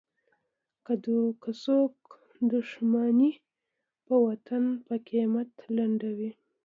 که څوک دوښمني په وطن په قیمت لنډوي.